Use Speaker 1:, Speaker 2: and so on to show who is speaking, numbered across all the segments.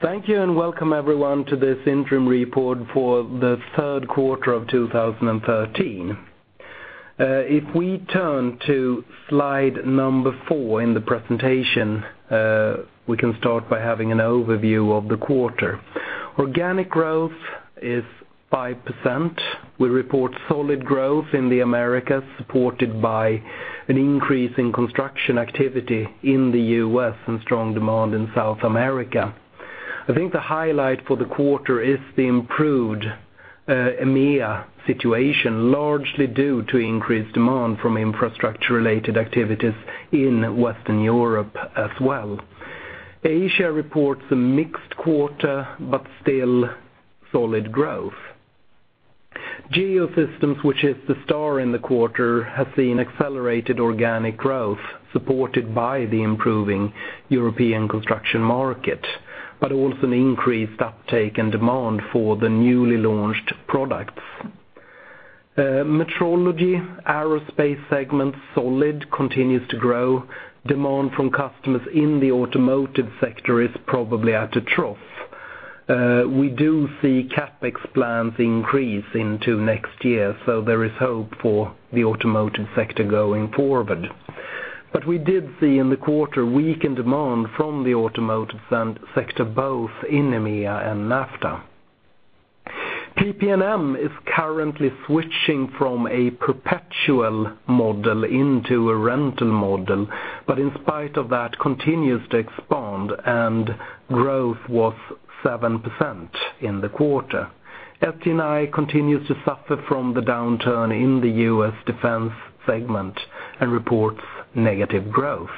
Speaker 1: Thank you. Welcome everyone to this interim report for the third quarter of 2013. If we turn to slide number four in the presentation, we can start by having an overview of the quarter. Organic growth is 5%. We report solid growth in the Americas, supported by an increase in construction activity in the U.S. and strong demand in South America. I think the highlight for the quarter is the improved EMEA situation, largely due to increased demand from infrastructure-related activities in Western Europe as well. Asia reports a mixed quarter, but still solid growth. Geosystems, which is the star in the quarter, has seen accelerated organic growth supported by the improving European construction market, but also an increased uptake and demand for the newly launched products. Metrology, aerospace segment, solid, continues to grow. Demand from customers in the automotive sector is probably at a trough. We do see CapEx plans increase into next year. There is hope for the automotive sector going forward. We did see in the quarter weakened demand from the automotive sector both in EMEA and NAFTA. PP&M is currently switching from a perpetual model into a rental model, but in spite of that, continues to expand, and growth was 7% in the quarter. SG&I continues to suffer from the downturn in the U.S. defense segment and reports negative growth.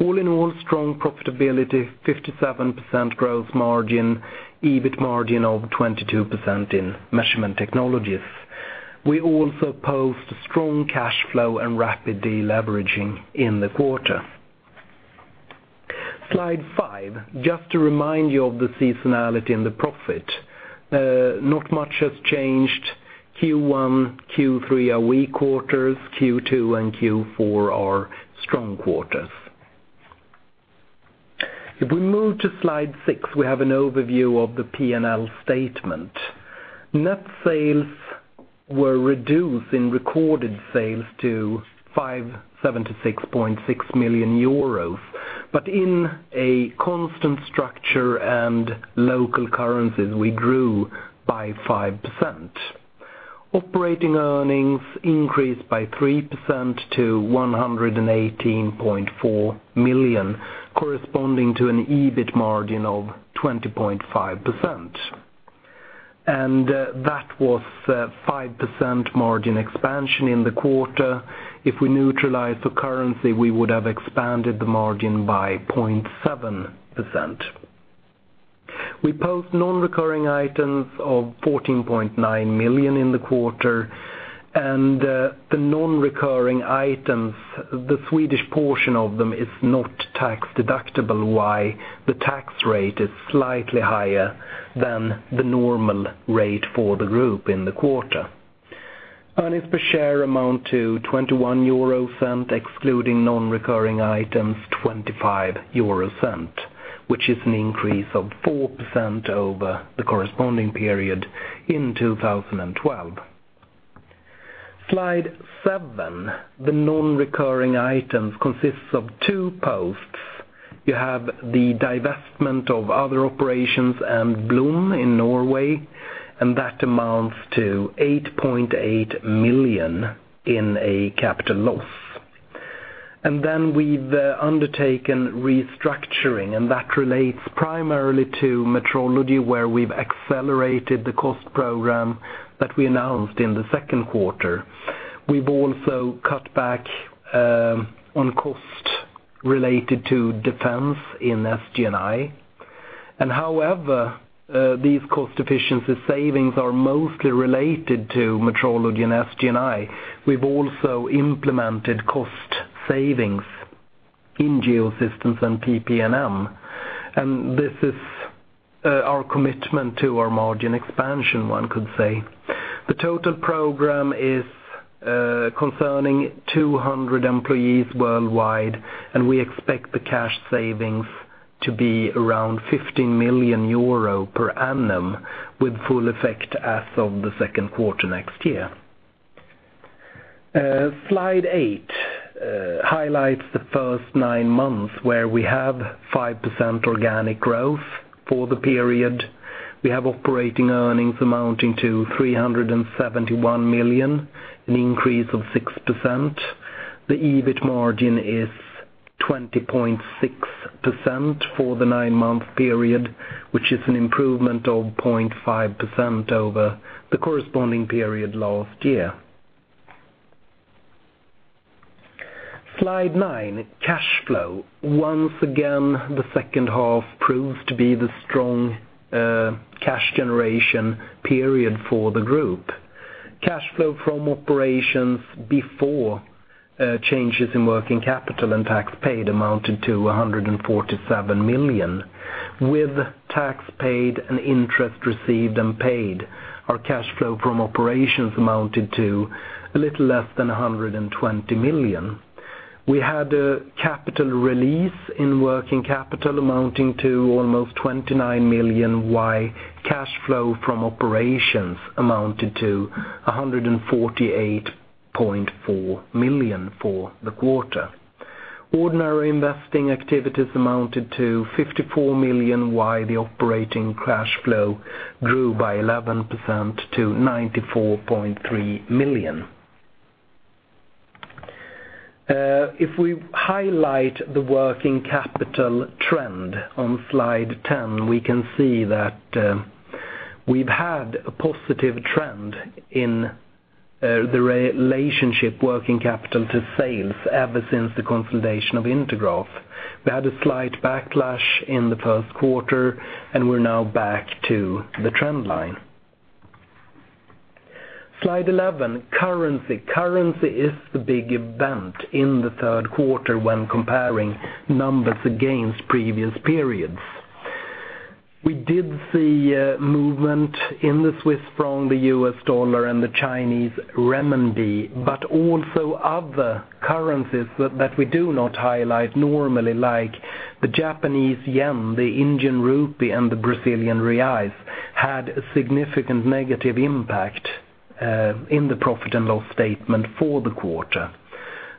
Speaker 1: All in all, strong profitability, 57% growth margin, EBIT margin of 22% in measurement technologies. We also post strong cash flow and rapid deleveraging in the quarter. Slide five, just to remind you of the seasonality and the profit. Not much has changed. Q1, Q3 are weak quarters. Q2 and Q4 are strong quarters. If we move to slide six, we have an overview of the P&L statement. Net sales were reduced in recorded sales to 576.6 million euros. In a constant structure and local currencies, we grew by 5%. Operating earnings increased by 3% to 118.4 million, corresponding to an EBIT margin of 20.5%. That was 5% margin expansion in the quarter. If we neutralize the currency, we would have expanded the margin by 0.7%. We post non-recurring items of 14.9 million in the quarter. The non-recurring items, the Swedish portion of them is not tax deductible, why the tax rate is slightly higher than the normal rate for the group in the quarter. Earnings per share amount to 0.21, excluding non-recurring items, 0.25, which is an increase of 4% over the corresponding period in 2012. Slide seven, the non-recurring items consists of two posts. You have the divestment of other operations and Blom in Norway, that amounts to 8.8 million in a capital loss. Then we've undertaken restructuring, that relates primarily to Metrology, where we've accelerated the cost program that we announced in the second quarter. We've also cut back on cost related to defense in SG&I. However, these cost efficiency savings are mostly related to Metrology and SG&I. We've also implemented cost savings in Geosystems and PP&M, this is our commitment to our margin expansion, one could say. The total program is concerning 200 employees worldwide, and we expect the cash savings to be around 50 million euro per annum, with full effect as of the second quarter next year. Slide eight highlights the first nine months, where we have 5% organic growth for the period. We have operating earnings amounting to 371 million, an increase of 6%. The EBIT margin is 20.6% for the nine-month period, which is an improvement of 0.5% over the corresponding period last year. Slide nine, cash flow. Once again, the second half proves to be the strong cash generation period for the group. Cash flow from operations before changes in working capital and tax paid amounted to 147 million. With tax paid and interest received and paid, our cash flow from operations amounted to a little less than 120 million. We had a capital release in working capital amounting to almost 29 million, while cash flow from operations amounted to 148.4 million for the quarter. Ordinary investing activities amounted to 54 million, while the operating cash flow grew by 11% to 94.3 million. If we highlight the working capital trend on slide 10, we can see that we've had a positive trend in the relationship working capital to sales ever since the consolidation of Intergraph. We had a slight backlash in the first quarter, and we're now back to the trend line. Slide 11, currency. Currency is the big event in the third quarter when comparing numbers against previous periods. We did see movement in the Swiss franc, the US dollar, and the Chinese renminbi, but also other currencies that we do not highlight normally, like the Japanese yen, the Indian rupee, and the Brazilian reais, had a significant negative impact in the profit and loss statement for the quarter.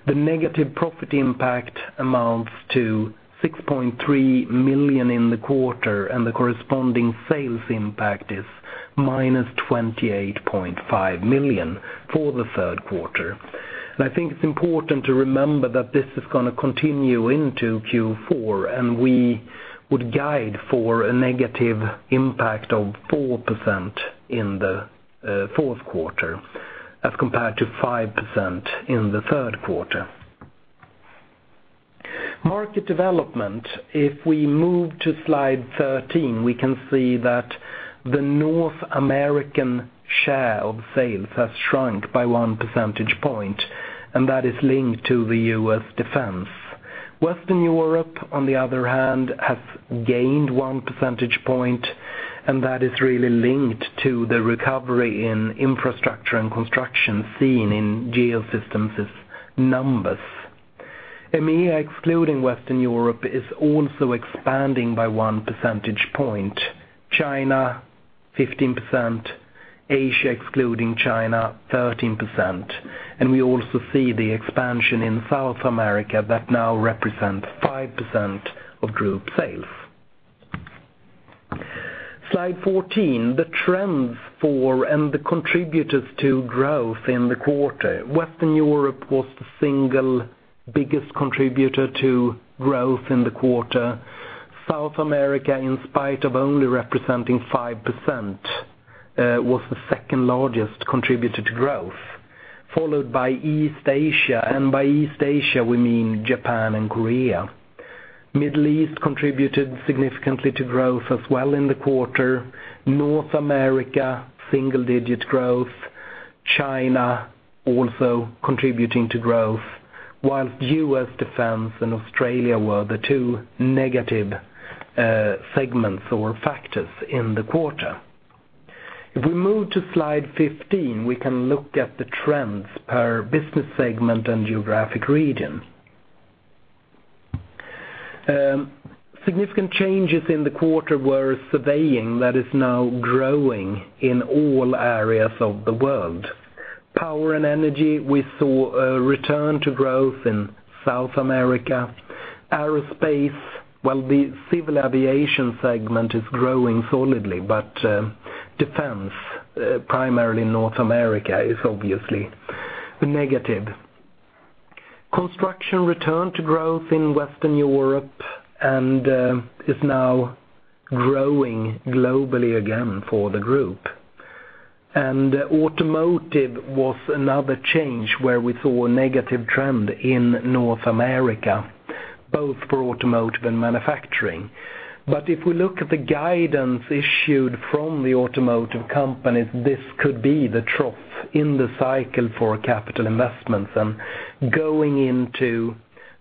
Speaker 1: The negative profit impact amounts to 6.3 million in the quarter, and the corresponding sales impact is minus 28.5 million for the third quarter. I think it's important to remember that this is going to continue into Q4. We would guide for a negative impact of 4% in the fourth quarter as compared to 5% in the third quarter. Market development. If we move to Slide 13, we can see that the North American share of sales has shrunk by one percentage point, and that is linked to the U.S. Defense. Western Europe, on the other hand, has gained one percentage point, and that is really linked to the recovery in infrastructure and construction seen in Geosystems' numbers. EMEA, excluding Western Europe, is also expanding by one percentage point. China, 15%, Asia excluding China, 13%. We also see the expansion in South America that now represents 5% of group sales. Slide 14, the trends for and the contributors to growth in the quarter. Western Europe was the single biggest contributor to growth in the quarter. South America, in spite of only representing 5%, was the second largest contributor to growth, followed by East Asia, and by East Asia, we mean Japan and Korea. Middle East contributed significantly to growth as well in the quarter. North America, single-digit growth. China also contributing to growth, whilst U.S. Defense and Australia were the two negative segments or factors in the quarter. If we move to Slide 15, we can look at the trends per business segment and geographic region. Significant changes in the quarter were surveying, that is now growing in all areas of the world. Power and energy, we saw a return to growth in South America. Aerospace, while the civil aviation segment is growing solidly, but defense, primarily North America, is obviously negative. Construction returned to growth in Western Europe and is now growing globally again for the group. Automotive was another change where we saw a negative trend in North America, both for automotive and manufacturing. If we look at the guidance issued from the automotive companies, this could be the trough in the cycle for capital investments. Going into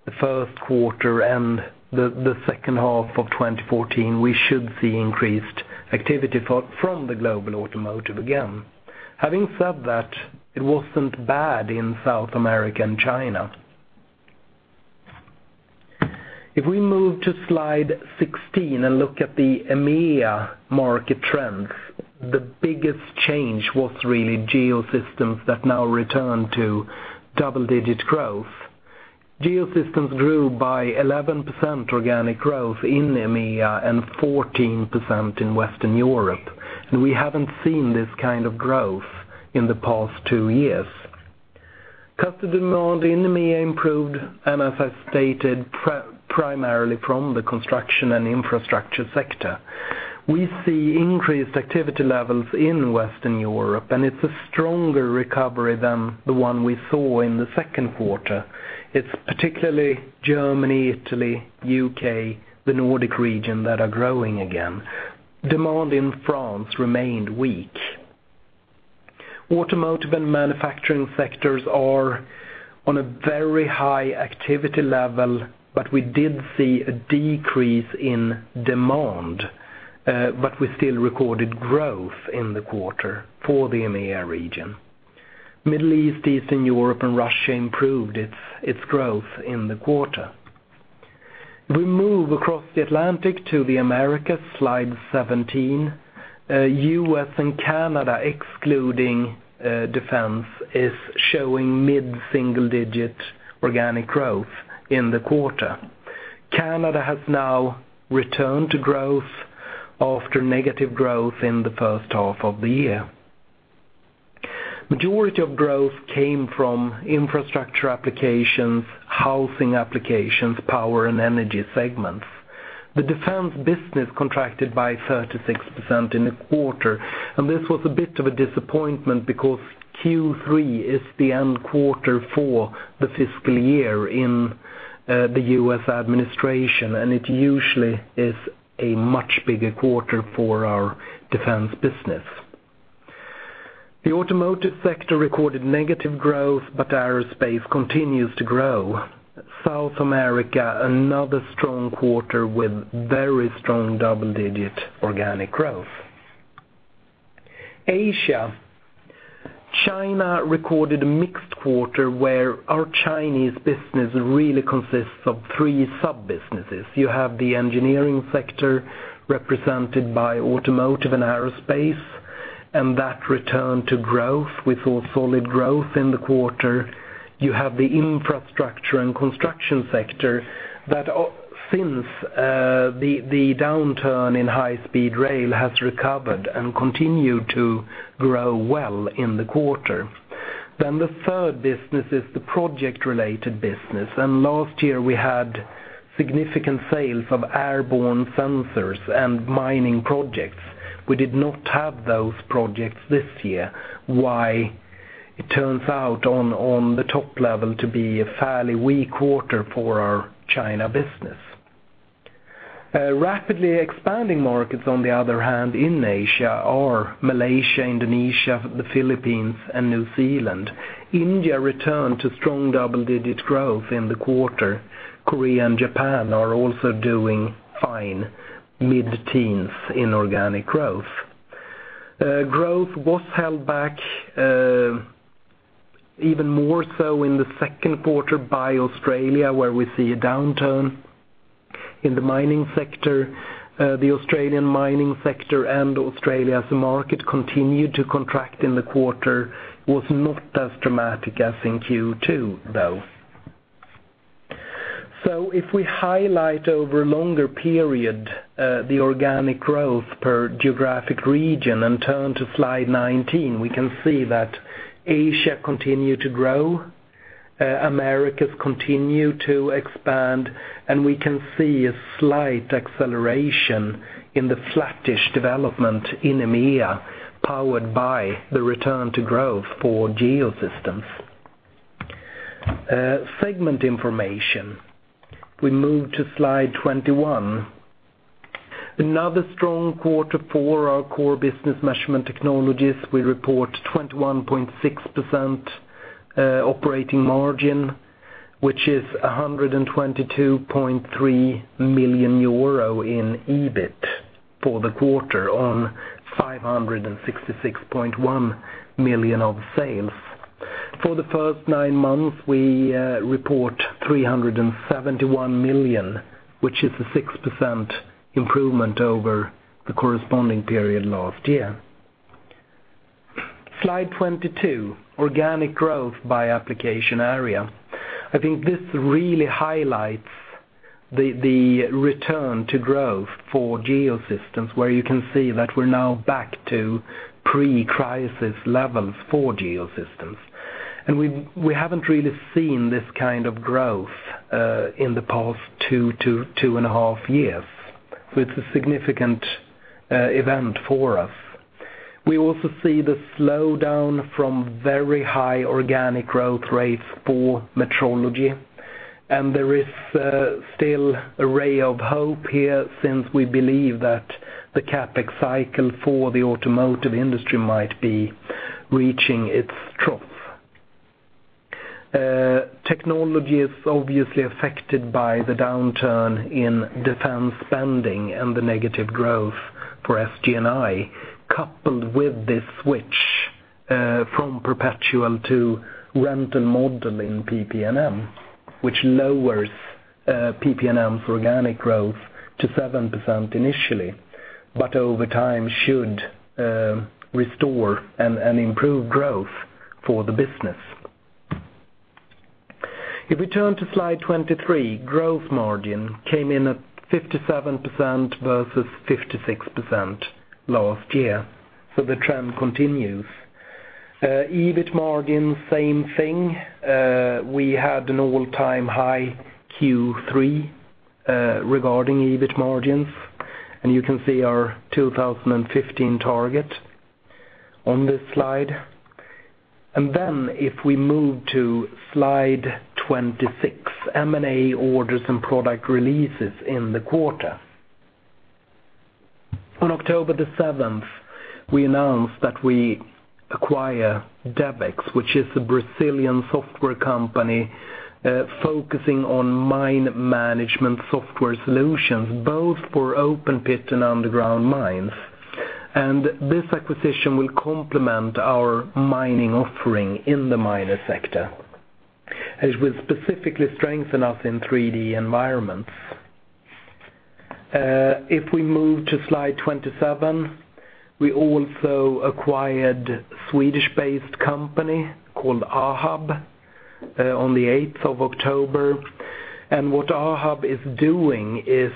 Speaker 1: the first quarter and the second half of 2014, we should see increased activity from the global automotive again. Having said that, it wasn't bad in South America and China. If we move to Slide 16 and look at the EMEA market trends, the biggest change was really Geosystems that now return to double-digit growth. Geosystems grew by 11% organic growth in EMEA and 14% in Western Europe. We haven't seen this kind of growth in the past two years. Customer demand in EMEA improved, as I stated, primarily from the construction and infrastructure sector. We see increased activity levels in Western Europe, it's a stronger recovery than the one we saw in the second quarter. It's particularly Germany, Italy, U.K., the Nordic region that are growing again. Demand in France remained weak. Automotive and manufacturing sectors are on a very high activity level, but we did see a decrease in demand. We still recorded growth in the quarter for the EMEA region. Middle East, Eastern Europe, and Russia improved its growth in the quarter. We move across the Atlantic to the Americas, Slide 17. U.S. and Canada, excluding defense, is showing mid-single digit organic growth in the quarter. Canada has now returned to growth after negative growth in the first half of the year. Majority of growth came from infrastructure applications, housing applications, power and energy segments. The defense business contracted by 36% in the quarter, this was a bit of a disappointment because Q3 is the end quarter for the fiscal year in the U.S. administration, it usually is a much bigger quarter for our defense business. The automotive sector recorded negative growth, aerospace continues to grow. South America, another strong quarter with very strong double-digit organic growth. Asia. China recorded a mixed quarter where our Chinese business really consists of three sub-businesses. You have the engineering sector represented by automotive and aerospace, that returned to growth with all solid growth in the quarter. You have the infrastructure and construction sector that since the downturn in high-speed rail has recovered and continued to grow well in the quarter. The third business is the project-related business, last year we had significant sales of airborne sensors and mining projects. We did not have those projects this year, why it turns out on the top level to be a fairly weak quarter for our China business. Rapidly expanding markets, on the other hand, in Asia are Malaysia, Indonesia, the Philippines and New Zealand. India returned to strong double-digit growth in the quarter. Korea and Japan are also doing fine, mid-teens in organic growth. Growth was held back even more so in the second quarter by Australia, where we see a downturn in the mining sector. The Australian mining sector and Australia as a market continued to contract in the quarter, was not as dramatic as in Q2, though. If we highlight over a longer period, the organic growth per geographic region and turn to slide 19, we can see that Asia continued to grow, Americas continued to expand, and we can see a slight acceleration in the flattish development in EMEA, powered by the return to growth for Geosystems. Segment information. We move to slide 21. Another strong quarter for our core business measurement technologies. We report 21.6% operating margin, which is 122.3 million euro in EBIT for the quarter on 566.1 million of sales. For the first nine months, we report 371 million, which is a 6% improvement over the corresponding period last year. Slide 22, organic growth by application area. I think this really highlights the return to growth for Geosystems, where you can see that we are now back to pre-crisis levels for Geosystems. We haven't really seen this kind of growth in the past two and a half years, it's a significant event for us. We also see the slowdown from very high organic growth rates for Metrology, there is still a ray of hope here since we believe that the CapEx cycle for the automotive industry might be reaching its trough. Technology is obviously affected by the downturn in defense spending and the negative growth for SG&I, coupled with this switch from perpetual to rental model in PP&M, which lowers PP&M's organic growth to 7% initially, but over time should restore and improve growth for the business. If we turn to slide 23, gross margin came in at 57% versus 56% last year, the trend continues. EBIT margin, same thing. We had an all-time high Q3 regarding EBIT margins, you can see our 2015 target on this slide. If we move to slide 26, M&A orders and product releases in the quarter. On October 7th, we announced that we acquire Devex, which is a Brazilian software company focusing on mine management software solutions, both for open pit and underground mines. This acquisition will complement our mining offering in the miner sector, as will specifically strengthen us in 3D environments. If we move to slide 27, we also acquired Swedish-based company called AHAB on the 8th of October. What AHAB is doing is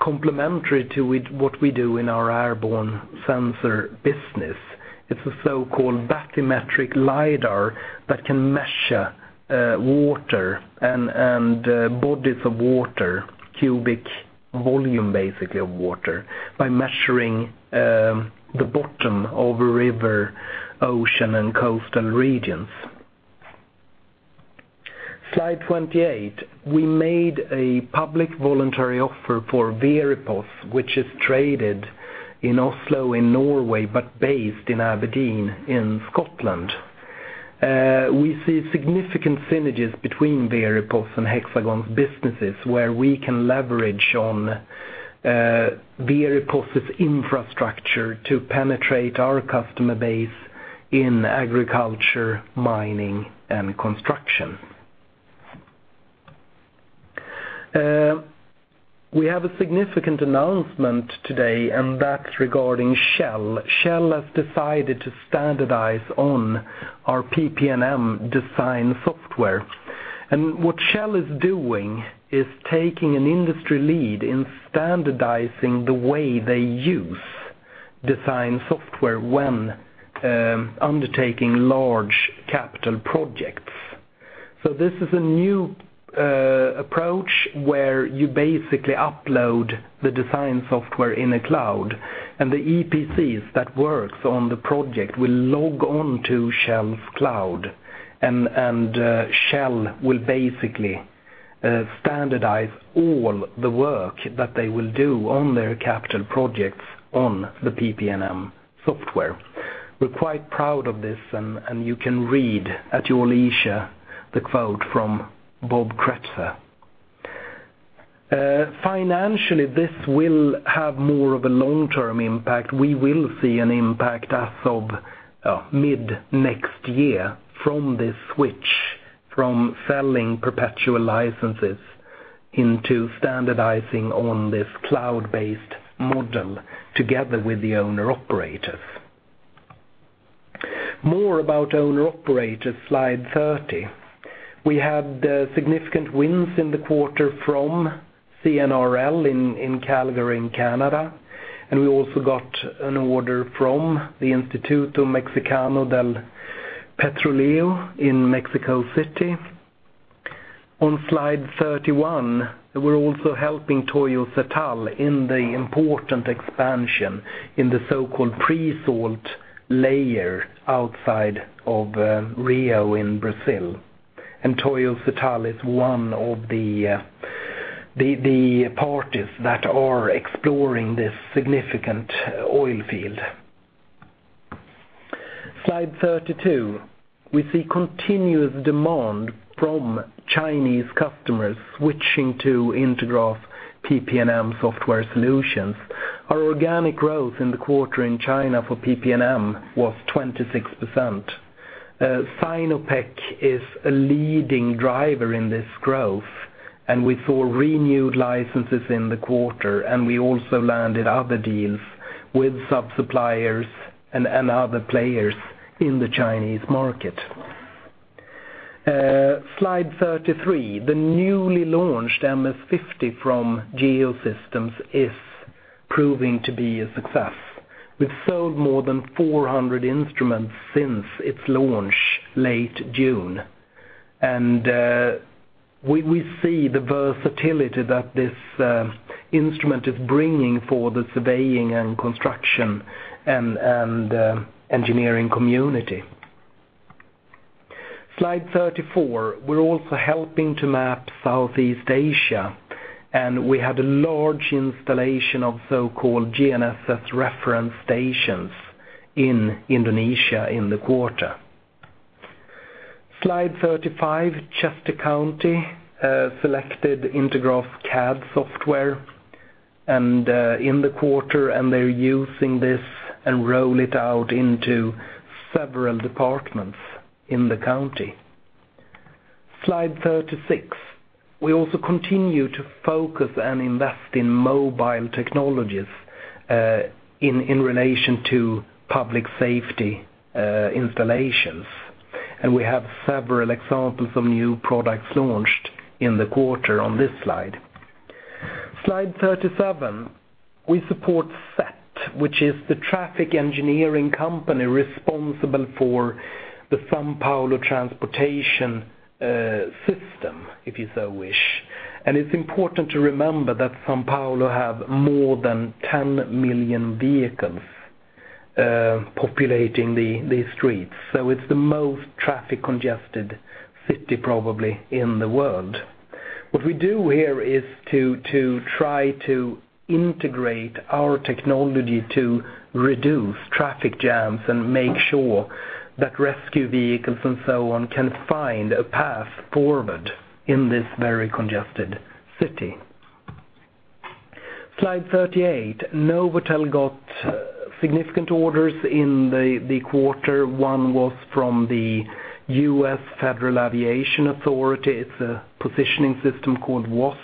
Speaker 1: complementary to what we do in our airborne sensor business. It's a so-called bathymetric LIDAR that can measure water and bodies of water, cubic volume, basically, of water by measuring the bottom of a river, ocean and coastal regions. Slide 28. We made a public voluntary offer for Veripos, which is traded in Oslo, Norway, but based in Aberdeen, Scotland. We see significant synergies between Veripos and Hexagon's businesses, where we can leverage on Veripos' infrastructure to penetrate our customer base in agriculture, mining and construction. We have a significant announcement today, that's regarding Shell. Shell has decided to standardize on our PP&M design software. What Shell is doing is taking an industry lead in standardizing the way they use design software when undertaking large capital projects. This is a new approach where you basically upload the design software in a cloud, the EPCs that works on the project will log on to Shell's cloud. Shell will basically standardize all the work that they will do on their capital projects on the PP&M software. We're quite proud of this, and you can read at your leisure the quote from Bob Kresberg. Financially, this will have more of a long-term impact. We will see an impact as of mid-next year from this switch from selling perpetual licenses into standardizing on this cloud-based model together with the owner operators. More about owner operators, slide 30. We had significant wins in the quarter from CNRL in Calgary in Canada. We also got an order from the Instituto Mexicano del Petróleo in Mexico City. On slide 31, we're also helping Toyo Setal in the important expansion in the so-called pre-salt layer outside of Rio in Brazil. Toyo Setal is one of the parties that are exploring this significant oil field. Slide 32. We see continuous demand from Chinese customers switching to Intergraph PP&M software solutions. Our organic growth in the quarter in China for PP&M was 26%. Sinopec is a leading driver in this growth. We saw renewed licenses in the quarter. We also landed other deals with sub-suppliers and other players in the Chinese market. Slide 33. The newly launched MS50 from Geosystems is proving to be a success. We've sold more than 400 instruments since its launch, late June. We see the versatility that this instrument is bringing for the surveying and construction and engineering community. Slide 34. We're also helping to map Southeast Asia. We had a large installation of so-called GNSS reference stations in Indonesia in the quarter. Slide 35. Chester County selected Intergraph CAD software in the quarter, and they're using this and roll it out into several departments in the county. Slide 36. We also continue to focus and invest in mobile technologies in relation to public safety installations. We have several examples of new products launched in the quarter on this slide. Slide 37. We support CET, which is the traffic engineering company responsible for the São Paulo transportation system, if you so wish. It's important to remember that São Paulo have more than 10 million vehicles populating the streets. It's the most traffic congested city probably in the world. What we do here is to try to integrate our technology to reduce traffic jams and make sure that rescue vehicles and so on, can find a path forward in this very congested city. Slide 38. NovAtel got significant orders in the quarter. One was from the U.S. Federal Aviation Administration. It's a positioning system called WAAS.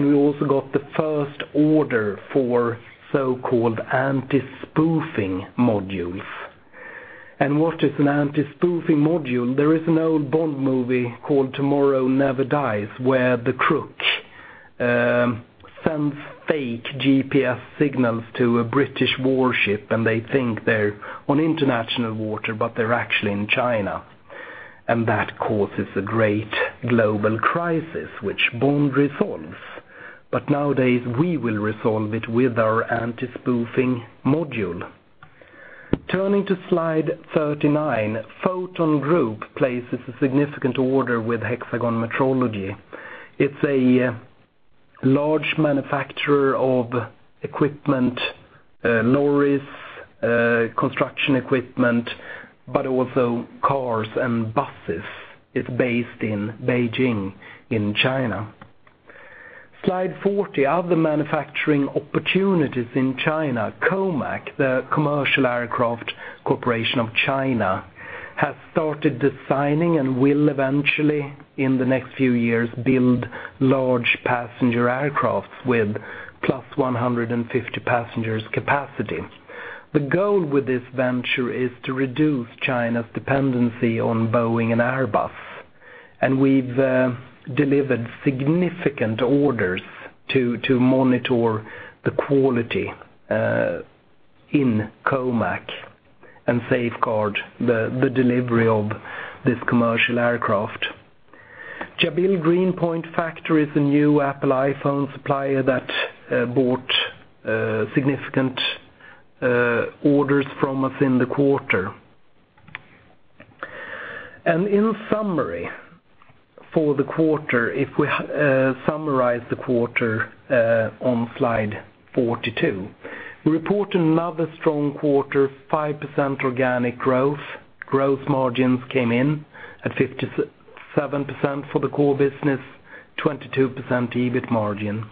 Speaker 1: We also got the first order for so-called anti-spoofing modules. What is an anti-spoofing module? There is an old Bond movie called Tomorrow Never Dies, where the crook sends fake GPS signals to a British warship, and they think they're on international water, but they're actually in China, and that causes a great global crisis, which Bond resolves. Nowadays, we will resolve it with our anti-spoofing module. Turning to slide 39, Foton Group places a significant order with Hexagon Metrology. It's a large manufacturer of equipment, lorries, construction equipment, but also cars and buses. It's based in Beijing, in China. Slide 40. Other manufacturing opportunities in China. COMAC, the Commercial Aircraft Corporation of China, has started designing and will eventually, in the next few years, build large passenger aircrafts with plus 150 passengers capacity. The goal with this venture is to reduce China's dependency on Boeing and Airbus. We've delivered significant orders to monitor the quality in COMAC and safeguard the delivery of this commercial aircraft. Jabil Green Point is a new Apple iPhone supplier that bought significant orders from us in the quarter. In summary, for the quarter, if we summarize the quarter, on slide 42. We report another strong quarter, 5% organic growth. Gross margins came in at 57% for the core business, 22% EBIT margin.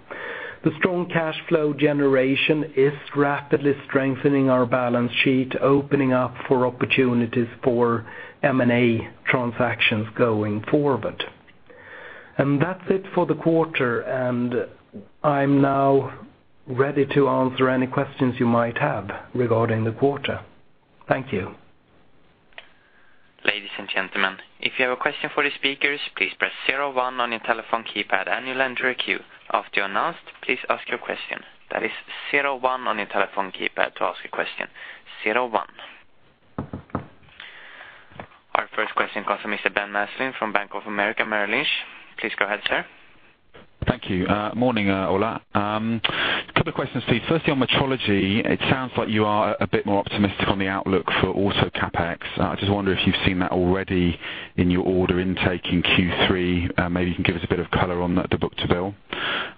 Speaker 1: The strong cash flow generation is rapidly strengthening our balance sheet, opening up for opportunities for M&A transactions going forward. That's it for the quarter, and I'm now ready to answer any questions you might have regarding the quarter. Thank you.
Speaker 2: Ladies and gentlemen, if you have a question for the speakers, please press zero one on your telephone keypad and you'll enter a queue. After you're announced, please ask your question. That is zero one on your telephone keypad to ask a question, zero one. Our first question comes from Mr. Ben Maslen from Bank of America Merrill Lynch. Please go ahead, sir.
Speaker 3: Thank you. Morning, Ola. Couple of questions, please. Firstly, on metrology, it sounds like you are a bit more optimistic on the outlook for auto CapEx. I just wonder if you've seen that already in your order intake in Q3. Maybe you can give us a bit of color on the book-to-bill.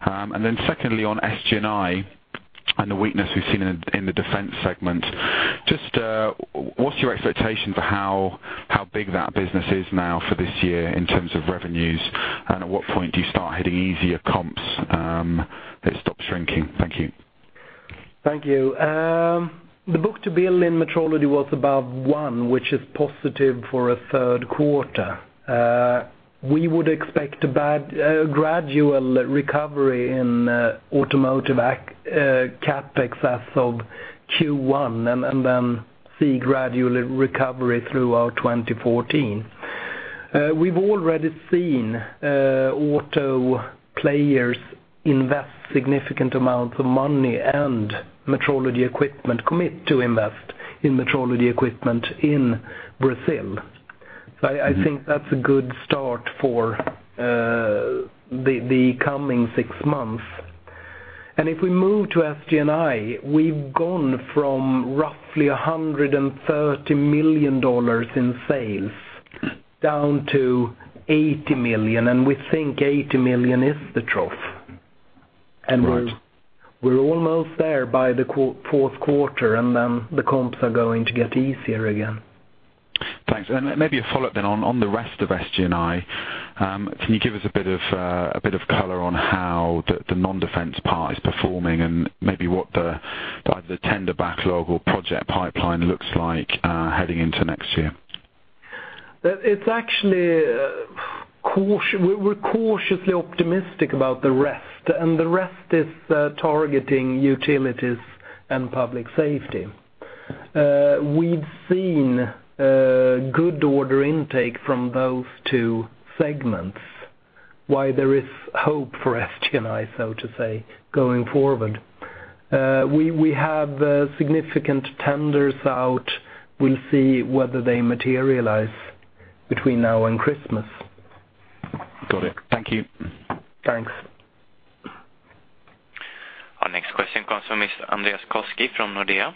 Speaker 3: Then secondly, on SG&I and the weakness we've seen in the defense segment. Just what's your expectation for how big that business is now for this year in terms of revenues, and at what point do you start hitting easier comps that it stops shrinking? Thank you.
Speaker 1: Thank you. The book-to-bill in metrology was above one, which is positive for a third quarter. We would expect a gradual recovery in automotive CapEx as of Q1, then see gradual recovery throughout 2014. We've already seen auto players invest significant amounts of money and metrology equipment, commit to invest in metrology equipment in Brazil. I think that's a good start for the coming six months. If we move to SG&I, we've gone from roughly $130 million in sales down to $80 million, and we think $80 million is the trough.
Speaker 3: Right.
Speaker 1: We're almost there by the fourth quarter, then the comps are going to get easier again.
Speaker 3: Thanks. Then maybe a follow-up then on the rest of SG&I. Can you give us a bit of color on how the non-defense part is performing and maybe what either the tender backlog or project pipeline looks like heading into next year?
Speaker 1: We're cautiously optimistic about the rest, the rest is targeting utilities and public safety. We've seen good order intake from those two segments. Why there is hope for SG&I, so to say, going forward. We have significant tenders out. We'll see whether they materialize between now and Christmas.
Speaker 3: Got it. Thank you.
Speaker 1: Thanks.
Speaker 2: Next question comes from Andreas Koski from Nordea.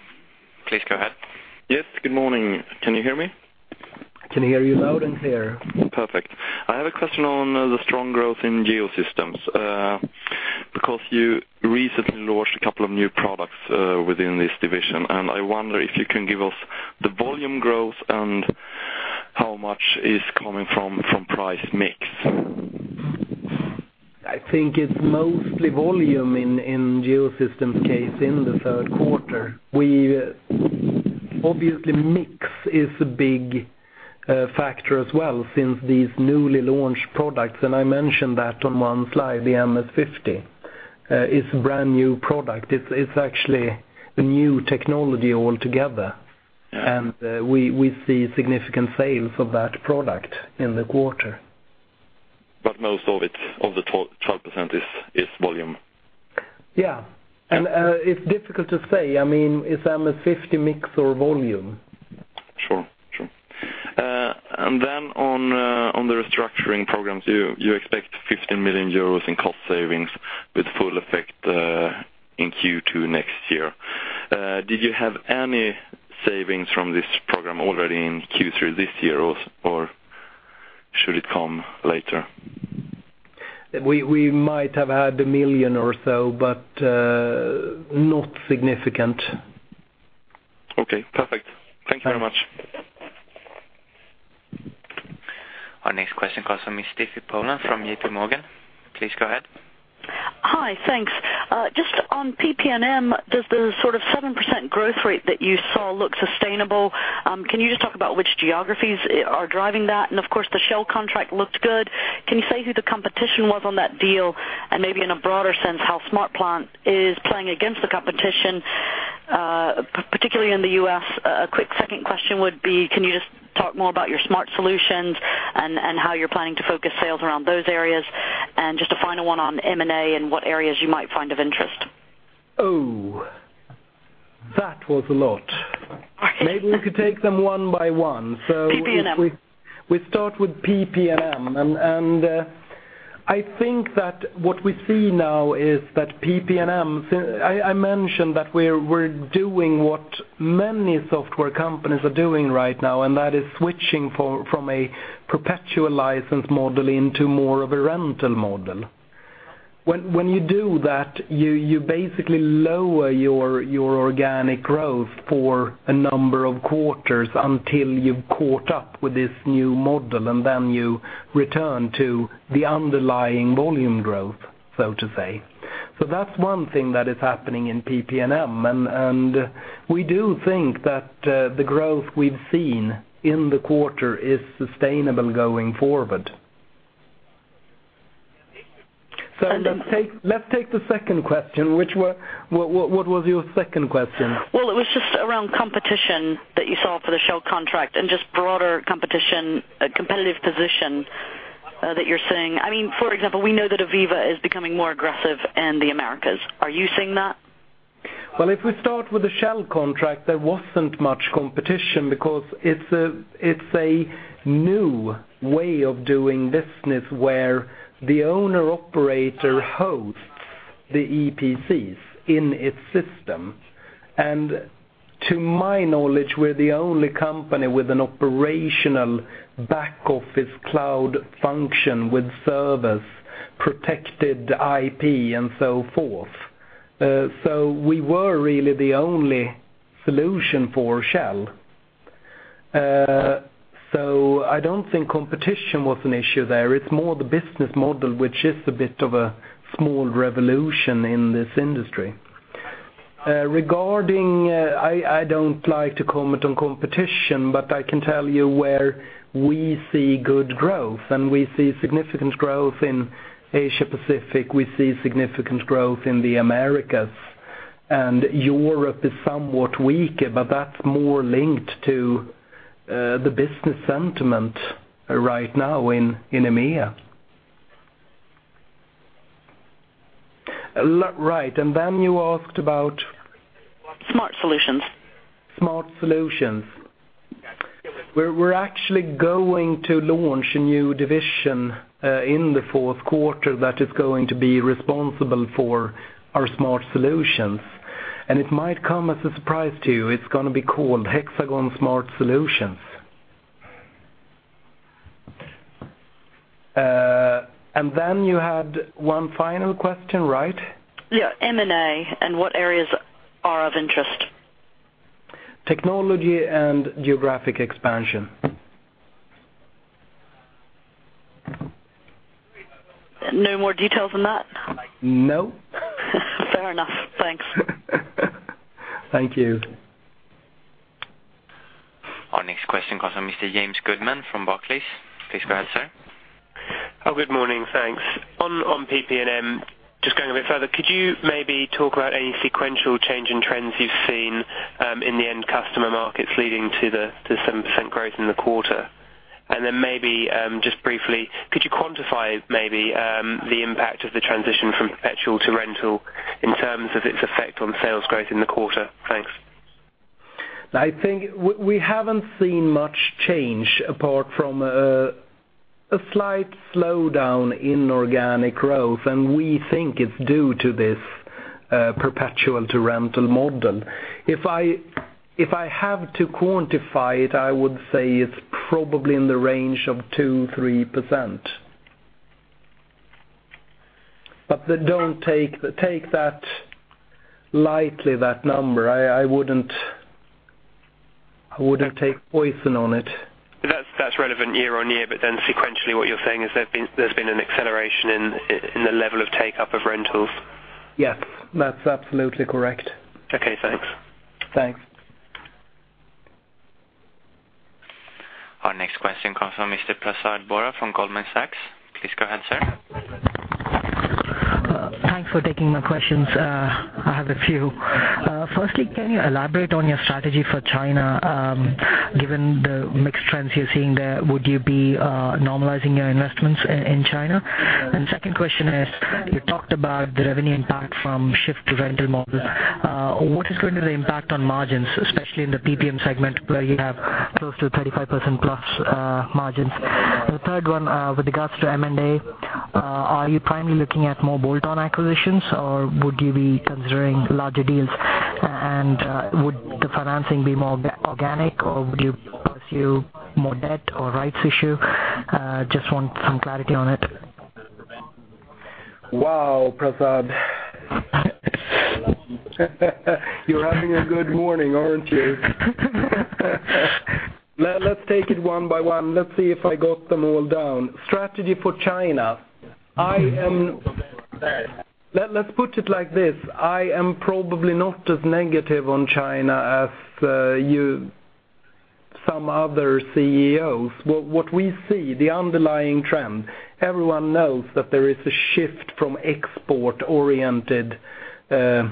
Speaker 2: Please go ahead.
Speaker 4: Yes, good morning. Can you hear me?
Speaker 1: Can hear you loud and clear.
Speaker 4: Perfect. I have a question on the strong growth in Geosystems. You recently launched a couple of new products within this division, and I wonder if you can give us the volume growth and how much is coming from price mix.
Speaker 1: I think it's mostly volume in Geosystems' case in the third quarter. Obviously, mix is a big factor as well since these newly launched products, I mentioned that on one slide, the MS50 is a brand-new product. It's actually a new technology altogether.
Speaker 4: Yeah.
Speaker 1: We see significant sales of that product in the quarter.
Speaker 4: Most of the 12% is volume?
Speaker 1: Yeah. It's difficult to say, is MS50 mix or volume.
Speaker 4: Sure. On the restructuring programs, you expect 50 million euros in cost savings with full effect in Q2 next year. Did you have any savings from this program already in Q3 this year, or should it come later?
Speaker 1: We might have had 1 million or so, but not significant.
Speaker 4: Okay, perfect. Thank you very much.
Speaker 2: Our next question comes from Ms. Stacy Pollard from J.P. Morgan. Please go ahead.
Speaker 5: Hi, thanks. Just on PP&M, does the 7% growth rate that you saw look sustainable? Can you just talk about which geographies are driving that? Of course, the Shell contract looked good. Can you say who the competition was on that deal, and maybe in a broader sense, how SmartPlant is playing against the competition, particularly in the U.S.? A quick second question would be, can you just talk more about your smart solutions and how you're planning to focus sales around those areas? Just a final one on M&A and what areas you might find of interest.
Speaker 1: Oh. That was a lot.
Speaker 5: Sorry
Speaker 1: Maybe we could take them one by one.
Speaker 5: PP&M
Speaker 1: Let's start with PP&M. I think that what we see now is that PP&M, I mentioned that we're doing what many software companies are doing right now, that is switching from a perpetual license model into more of a rental model. When you do that, you basically lower your organic growth for a number of quarters until you've caught up with this new model, then you return to the underlying volume growth, so to say. That's one thing that is happening in PP&M, we do think that the growth we've seen in the quarter is sustainable going forward. Let's take the second question. What was your second question?
Speaker 5: Well, it was just around competition that you saw for the Shell contract and just broader competition, competitive position that you're seeing. For example, we know that AVEVA is becoming more aggressive in the Americas. Are you seeing that?
Speaker 1: Well, if we start with the Shell contract, there wasn't much competition because it's a new way of doing business where the owner-operator hosts the EPCs in its system. To my knowledge, we're the only company with an operational back-office cloud function with service, protected IP, and so forth. We were really the only solution for Shell. I don't think competition was an issue there. It's more the business model, which is a bit of a small revolution in this industry. I don't like to comment on competition, but I can tell you where we see good growth, and we see significant growth in Asia-Pacific, we see significant growth in the Americas, and Europe is somewhat weaker, but that's more linked to the business sentiment right now in EMEA. Right, then you asked about?
Speaker 5: Smart Solutions.
Speaker 1: Smart Solutions. We're actually going to launch a new division in the fourth quarter that is going to be responsible for our smart solutions, and it might come as a surprise to you. It's going to be called Hexagon Smart Solutions. Then you had one final question, right?
Speaker 5: Yeah, M&A, and what areas are of interest.
Speaker 1: Technology and geographic expansion.
Speaker 5: No more details than that?
Speaker 1: No.
Speaker 5: Fair enough. Thanks.
Speaker 1: Thank you.
Speaker 2: Our next question comes from Mr. James Goodman from Barclays. Please go ahead, sir.
Speaker 6: Good morning. Thanks. On PP&M, just going a bit further, could you maybe talk about any sequential change in trends you've seen in the end customer markets leading to the 7% growth in the quarter? Then maybe, just briefly, could you quantify maybe the impact of the transition from perpetual to rental in terms of its effect on sales growth in the quarter? Thanks.
Speaker 1: I think we haven't seen much change apart from a slight slowdown in organic growth, and we think it's due to this perpetual to rental model. If I have to quantify it, I would say it's probably in the range of 2%-3%. Take that lightly, that number. I wouldn't take poison on it.
Speaker 6: That's relevant year-over-year, but then sequentially, what you're saying is there's been an acceleration in the level of take-up of rentals?
Speaker 1: Yes. That's absolutely correct.
Speaker 6: Okay, thanks.
Speaker 1: Thanks.
Speaker 2: Our next question comes from Mr. Prasad Borra from Goldman Sachs. Please go ahead, sir.
Speaker 7: Thanks for taking my questions. I have a few. Firstly, can you elaborate on your strategy for China? Given the mixed trends you are seeing there, would you be normalizing your investments in China? Second question is, you talked about the revenue impact from shift to rental model. What is going to be the impact on margins, especially in the PP&M segment where you have close to 35%+ margins? The third one, with regards to M&A, are you primarily looking at more bolt-on acquisitions, or would you be considering larger deals? Would the financing be more organic, or would you pursue more debt or rights issue? Just want some clarity on it.
Speaker 1: Wow, Prasad. You are having a good morning, aren't you? Let's take it one by one. Let's see if I got them all down. Strategy for China. Let's put it like this. I am probably not as negative on China as some other CEOs. What we see, the underlying trend, everyone knows that there is a shift from export-oriented, an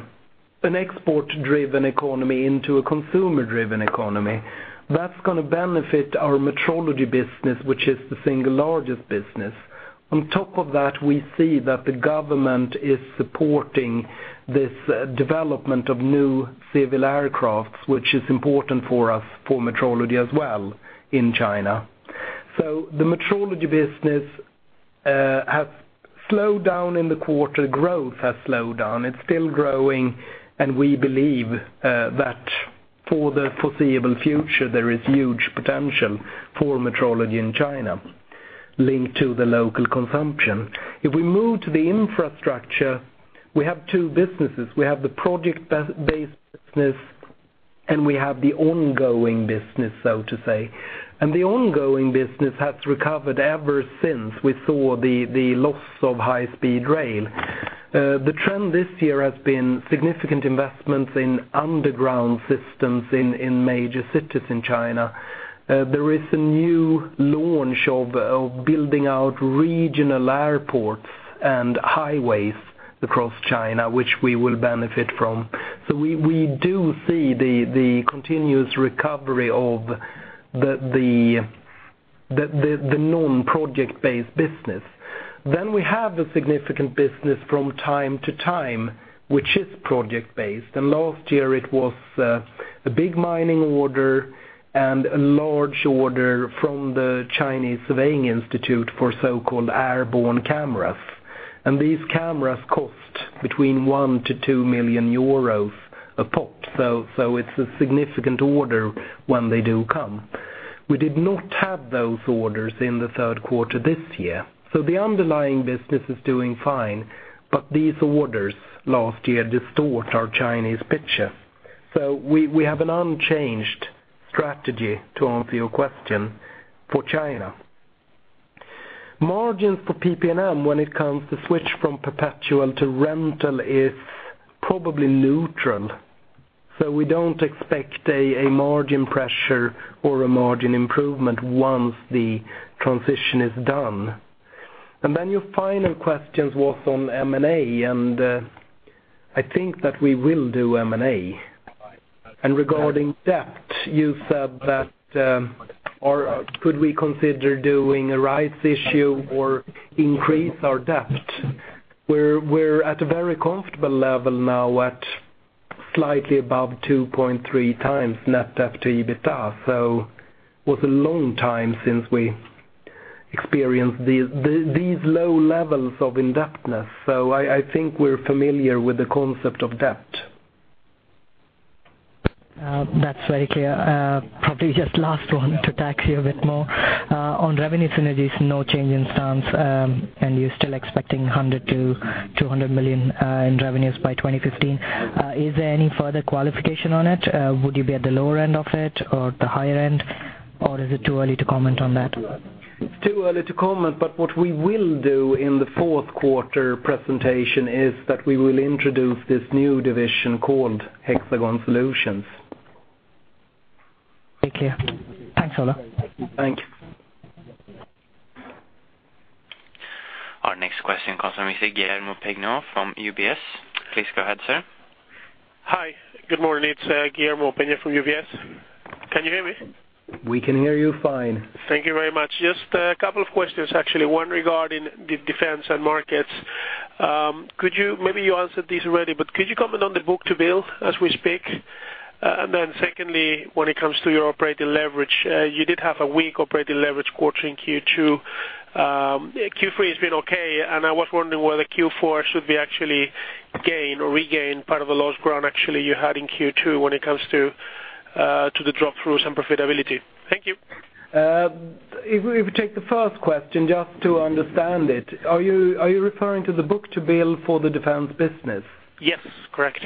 Speaker 1: export-driven economy into a consumer-driven economy. That is going to benefit our Metrology business, which is the single largest business. On top of that, we see that the government is supporting this development of new civil aircraft, which is important for us for Metrology as well in China. The Metrology business has slowed down in the quarter. Growth has slowed down. It is still growing, and we believe that for the foreseeable future, there is huge potential for Metrology in China linked to the local consumption. If we move to the infrastructure, we have two businesses. We have the project-based business, and we have the ongoing business, so to say. The ongoing business has recovered ever since we saw the loss of high-speed rail. The trend this year has been significant investments in underground systems in major cities in China. There is a new launch of building out regional airports and highways across China, which we will benefit from. We do see the continuous recovery of the non-project-based business. We have a significant business from time to time, which is project-based, and last year it was a big mining order and a large order from the Chinese Academy of Surveying and Mapping for so-called airborne cameras. These cameras cost between 1 million to 2 million euros a pop. It is a significant order when they do come. We did not have those orders in the third quarter this year. The underlying business is doing fine, but these orders last year distort our Chinese picture. We have an unchanged strategy to answer your question for China. Margins for PP&M when it comes to switch from perpetual to rental is probably neutral. We do not expect a margin pressure or a margin improvement once the transition is done. Your final question was on M&A, and I think that we will do M&A. Regarding debt, you said that could we consider doing a rights issue or increase our debt? We are at a very comfortable level now at slightly above 2.3x net debt to EBITDA, so it was a long time since we experienced these low levels of indebtedness. I think we are familiar with the concept of debt.
Speaker 7: That's very clear. Probably just last one to tax you a bit more. On revenue synergies, no change in stance, you're still expecting 100 million-200 million in revenues by 2015. Is there any further qualification on it? Would you be at the lower end of it or the higher end, or is it too early to comment on that?
Speaker 1: It's too early to comment, what we will do in the fourth quarter presentation is that we will introduce this new division called Hexagon Solutions.
Speaker 7: Very clear. Thanks, Ola.
Speaker 1: Thanks.
Speaker 2: Our next question comes from Mr. Guillermo Peigneux-Lojo from UBS. Please go ahead, sir.
Speaker 8: Hi. Good morning. It's Guillermo Peigneux-Lojo from UBS. Can you hear me?
Speaker 1: We can hear you fine.
Speaker 8: Thank you very much. Just a couple of questions, actually. One regarding the defense and markets. Maybe you answered this already, but could you comment on the book-to-bill as we speak? Secondly, when it comes to your operating leverage, you did have a weak operating leverage quarter in Q2. Q3 has been okay, and I was wondering whether Q4 should actually gain or regain part of the lost ground actually you had in Q2 when it comes to the drop through some profitability. Thank you.
Speaker 1: If we take the first question, just to understand it, are you referring to the book-to-bill for the defense business?
Speaker 8: Yes, correct.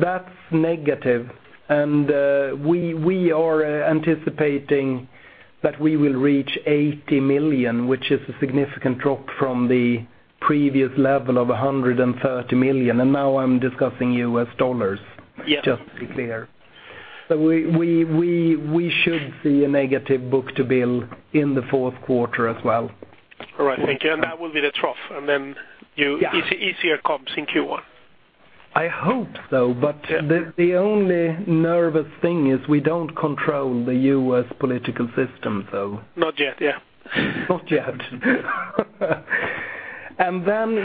Speaker 1: That's negative. We are anticipating that we will reach $80 million, which is a significant drop from the previous level of $130 million. Now I'm discussing US dollars
Speaker 8: Yeah
Speaker 1: Just to be clear. We should see a negative book-to-bill in the fourth quarter as well.
Speaker 8: All right. Thank you. That will be the trough.
Speaker 1: Yeah
Speaker 8: easier comps in Q1.
Speaker 1: I hope so.
Speaker 8: Yeah
Speaker 1: The only nervous thing is we don't control the U.S. political system.
Speaker 8: Not yet, yeah.
Speaker 1: Not yet.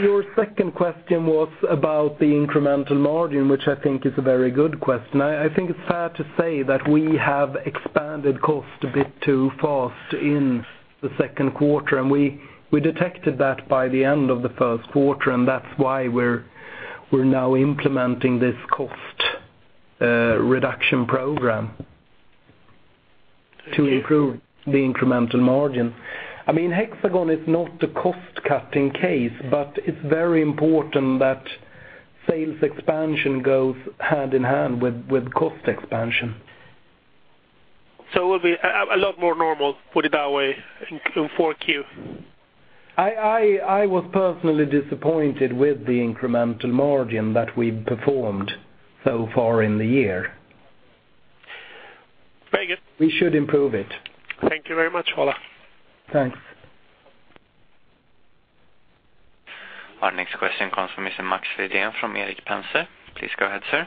Speaker 1: Your second question was about the incremental margin, which I think is a very good question. I think it's fair to say that we have expanded cost a bit too fast in the second quarter. We detected that by the end of the first quarter. That's why we're now implementing this cost reduction program to improve the incremental margin. Hexagon is not the cost-cutting case, it's very important that sales expansion goes hand in hand with cost expansion.
Speaker 8: It will be a lot more normal, put it that way, in 4Q.
Speaker 1: I was personally disappointed with the incremental margin that we've performed so far in the year.
Speaker 8: Very good.
Speaker 1: We should improve it.
Speaker 8: Thank you very much, Ola.
Speaker 1: Thanks.
Speaker 2: Our next question comes from Mr. Max Fidei from Erik Penser. Please go ahead, sir.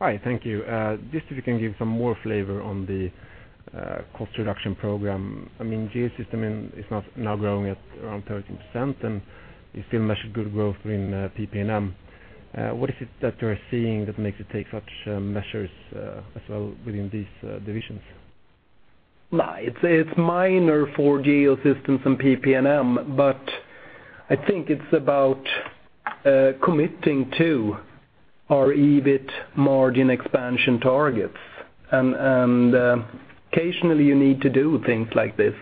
Speaker 9: Hi, thank you. Just if you can give some more flavor on the cost reduction program. Geosystems is now growing at around 13%, and you still measured good growth in PP&M. What is it that you're seeing that makes you take such measures as well within these divisions?
Speaker 1: It's minor for Geosystems and PP&M, but I think it's about committing to our EBIT margin expansion targets. Occasionally you need to do things like this.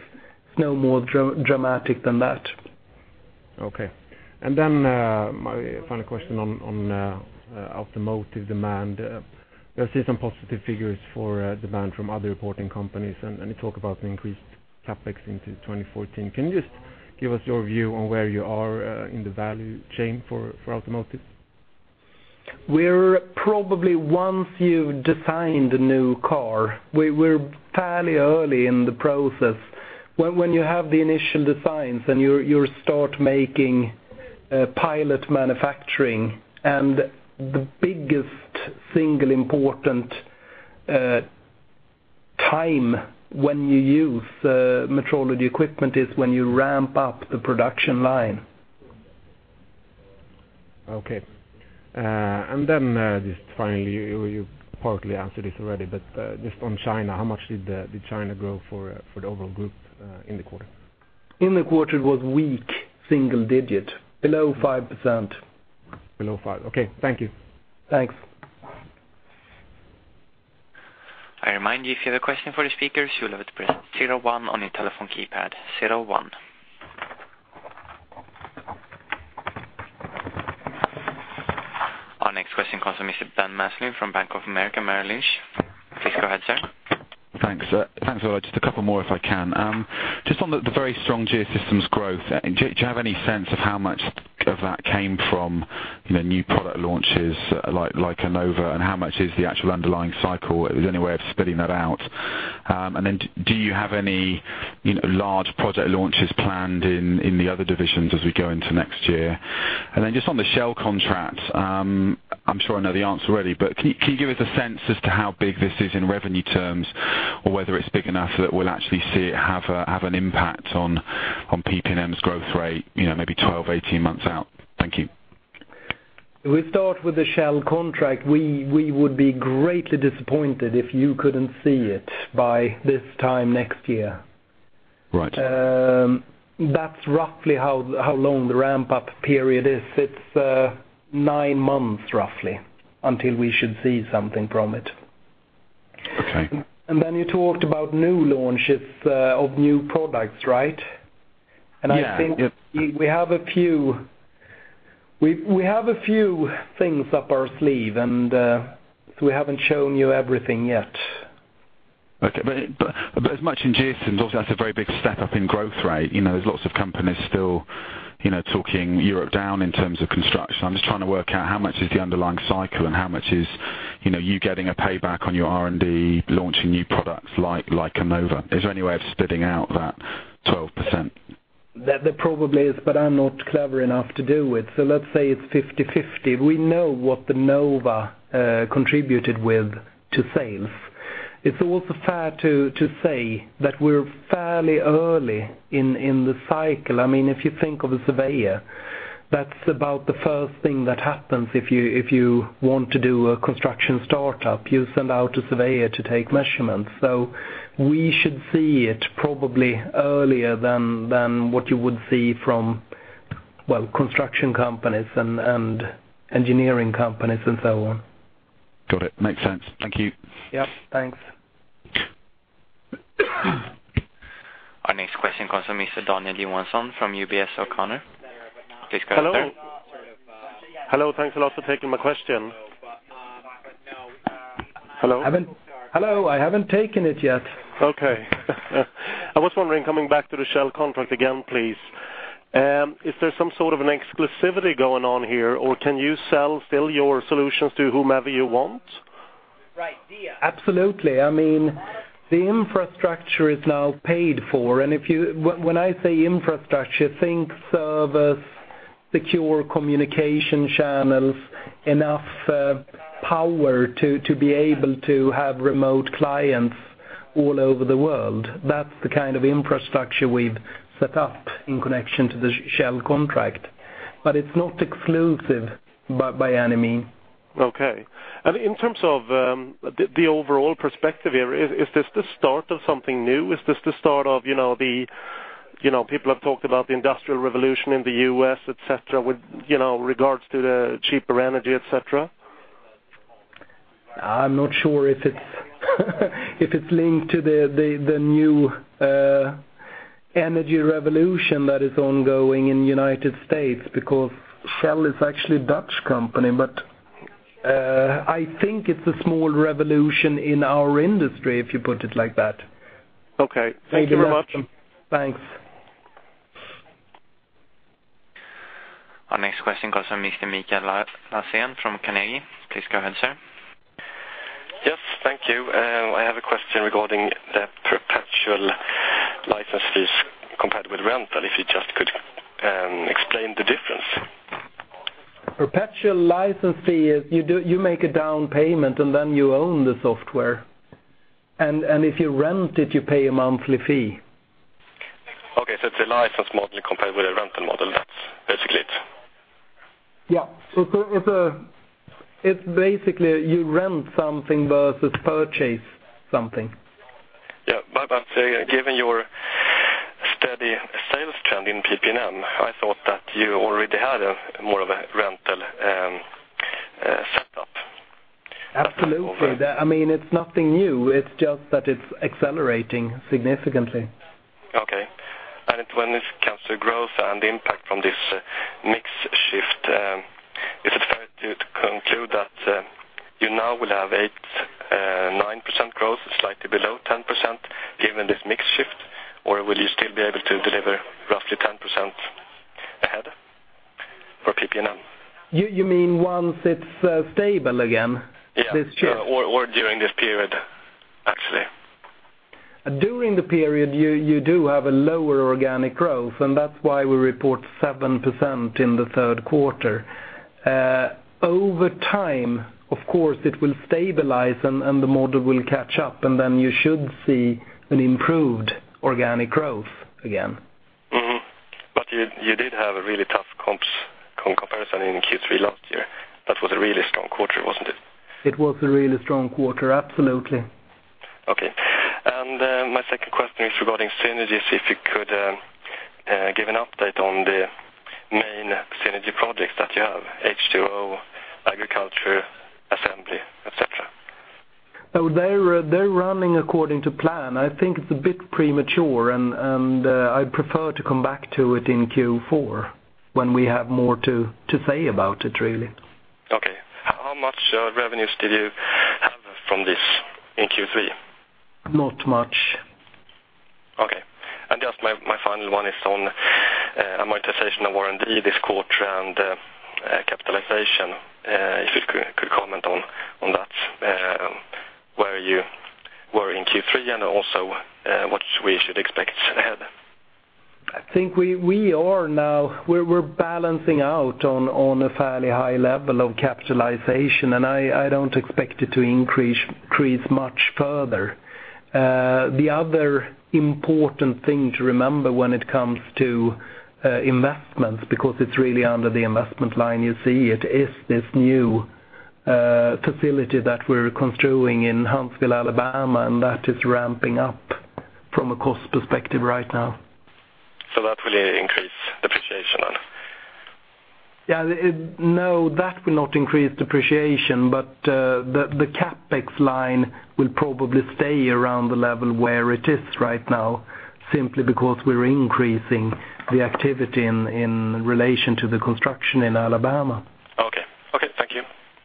Speaker 1: It's no more dramatic than that.
Speaker 9: Okay. My final question on automotive demand. We have seen some positive figures for demand from other reporting companies, you talk about an increased CapEx into 2014. Can you just give us your view on where you are in the value chain for automotive?
Speaker 1: We're probably once you've designed a new car, we're fairly early in the process. When you have the initial designs and you start making pilot manufacturing, the biggest single important time when you use metrology equipment is when you ramp up the production line.
Speaker 9: Okay. Just finally, you partly answered this already, but just on China, how much did China grow for the overall group in the quarter?
Speaker 1: In the quarter, it was weak single digit, below 5%.
Speaker 9: Below five, okay. Thank you.
Speaker 1: Thanks.
Speaker 2: I remind you, if you have a question for the speakers, you'll have to press zero one on your telephone keypad, zero one. Our next question comes from Mr. Ben Maslen from Bank of America Merrill Lynch. Please go ahead, sir.
Speaker 3: Thanks. Thanks, Ola. Just a couple more if I can. Just on the very strong Geosystems growth, do you have any sense of how much of that came from new product launches like Nova, and how much is the actual underlying cycle? Is there any way of splitting that out? Do you have any large project launches planned in the other divisions as we go into next year? Just on the Shell contract, I'm sure I know the answer already, but can you give us a sense as to how big this is in revenue terms or whether it's big enough that we'll actually see it have an impact on PP&M's growth rate, maybe 12, 18 months out? Thank you.
Speaker 1: We start with the Shell contract. We would be greatly disappointed if you couldn't see it by this time next year.
Speaker 3: Right.
Speaker 1: That's roughly how long the ramp-up period is. It's nine months, roughly, until we should see something from it.
Speaker 3: Okay.
Speaker 1: You talked about new launches of new products, right?
Speaker 3: Yeah.
Speaker 1: I think we have a few things up our sleeve, and we haven't shown you everything yet.
Speaker 3: Okay, as much in GEO, since obviously that's a very big step up in growth rate. There's lots of companies still talking Europe down in terms of construction. I'm just trying to work out how much is the underlying cycle and how much is you getting a payback on your R&D, launching new products like Nova. Is there any way of splitting out that 12%?
Speaker 1: There probably is, I'm not clever enough to do it. Let's say it's 50/50. We know what Nova contributed with to sales. It's also fair to say that we're fairly early in the cycle. If you think of a surveyor, that's about the first thing that happens if you want to do a construction startup, you send out a surveyor to take measurements. We should see it probably earlier than what you would see from construction companies and engineering companies and so on.
Speaker 3: Got it. Makes sense. Thank you.
Speaker 1: Yep, thanks.
Speaker 2: Our next question comes from Mr. Daniel Johansson from UBS O'Connor. Please go ahead, sir.
Speaker 10: Hello. Thanks a lot for taking my question. Hello?
Speaker 1: Hello. I haven't taken it yet.
Speaker 10: Okay. I was wondering, coming back to the Shell contract again, please. Is there some sort of an exclusivity going on here, or can you sell still your solutions to whomever you want?
Speaker 1: Absolutely. The infrastructure is now paid for, when I say infrastructure, think servers, secure communication channels, enough power to be able to have remote clients all over the world. That's the kind of infrastructure we've set up in connection to the Shell contract. It's not exclusive by any means.
Speaker 10: Okay. In terms of the overall perspective here, is this the start of something new? People have talked about the industrial revolution in the U.S., et cetera, with regards to the cheaper energy, et cetera.
Speaker 1: I'm not sure if it's linked to the new energy revolution that is ongoing in the United States, because Shell is actually a Dutch company. I think it's a small revolution in our industry, if you put it like that.
Speaker 10: Okay. Thank you very much.
Speaker 1: Thanks.
Speaker 2: Our next question comes from Mr. Mikael Laséen from Carnegie. Please go ahead, sir.
Speaker 11: Yes, thank you. I have a question regarding the perpetual license fees compared with rental. If you just could explain the difference.
Speaker 1: Perpetual license fee is you make a down payment, then you own the software. If you rent it, you pay a monthly fee.
Speaker 11: It's a license model compared with a rental model. That's basically it.
Speaker 1: Yeah. It's basically you rent something versus purchase something.
Speaker 11: Yeah. Given your steady sales trend in PP&M, I thought that you already had more of a rental setup.
Speaker 1: Absolutely. It's nothing new. It's just that it's accelerating significantly.
Speaker 11: Okay. When it comes to growth and impact from this mix shift, is it fair to conclude that you now will have 8%, 9% growth, slightly below 10%, given this mix shift, or will you still be able to deliver roughly 10% ahead for PP&M?
Speaker 1: You mean once it's stable again, this shift?
Speaker 11: Yeah. During this period, actually.
Speaker 1: During the period, you do have a lower organic growth, and that's why we report 7% in the third quarter. Over time, of course, it will stabilize, and the model will catch up, and then you should see an improved organic growth again.
Speaker 11: Mm-hmm. You did have a really tough comparison in Q3 last year. That was a really strong quarter, wasn't it?
Speaker 1: It was a really strong quarter, absolutely.
Speaker 11: My second question is regarding synergies, if you could give an update on the main synergy projects that you have, H2O, agriculture, assembly, et cetera.
Speaker 1: They're running according to plan. I think it's a bit premature, and I'd prefer to come back to it in Q4 when we have more to say about it, really.
Speaker 11: Okay. How much revenues did you have from this in Q3?
Speaker 1: Not much.
Speaker 11: Okay. Just my final one is on amortization of R&D this quarter and capitalization. If you could comment on that, where you were in Q3 and also what we should expect ahead.
Speaker 1: I think we're balancing out on a fairly high level of capitalization. I don't expect it to increase much further. The other important thing to remember when it comes to investments, because it's really under the investment line you see, it is this new facility that we're constructing in Huntsville, Alabama. That is ramping up from a cost perspective right now.
Speaker 11: That will increase depreciation then?
Speaker 1: No, that will not increase depreciation. The CapEx line will probably stay around the level where it is right now, simply because we're increasing the activity in relation to the construction in Alabama.
Speaker 11: Okay. Thank you.